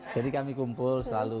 jadi kami kumpul selalu